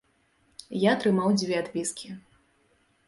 Я атрымаў дзве адпіскі.